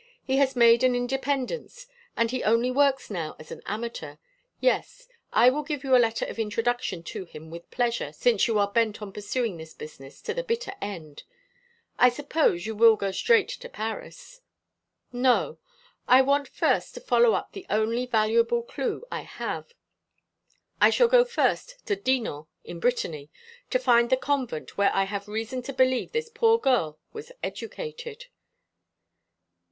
He has made an independence, and he only works now as an amateur. Yes, I will give you a letter of introduction to him with pleasure, since you are bent on pursuing this business to the bitter end. I suppose you will go straight to Paris. "No. I want first to follow up the only valuable clue I have. I shall go first to Dinan, in Brittany, to find the convent, where I have reason to believe this poor girl was educated."